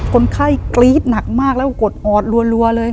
คนไข้กรี๊ดหนักมากแล้วก็กดออดรัวเลย